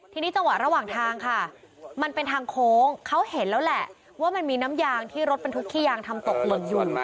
ทีนี้จังหวะระหว่างทางค่ะมันเป็นทางโค้งเขาเห็นแล้วแหละว่ามันมีน้ำยางที่รถบรรทุกขี้ยางทำตกหล่นอยู่